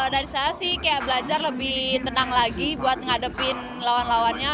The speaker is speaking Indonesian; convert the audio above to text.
dari saya sih kayak belajar lebih tenang lagi buat ngadepin lawan lawannya